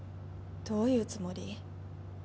どういうつもり？